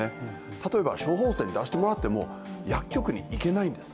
例えば処方箋出してもらっても薬局に行けないんです